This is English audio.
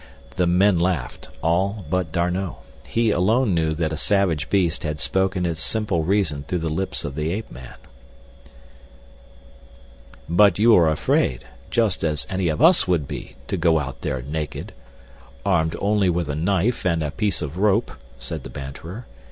The men laughed, all but D'Arnot. He alone knew that a savage beast had spoken its simple reason through the lips of the ape man. "But you are afraid, just as any of us would be, to go out there naked, armed only with a knife and a piece of rope," said the banterer.